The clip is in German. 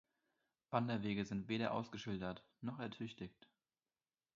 Wanderwege sind weder ausgeschildert noch ertüchtigt.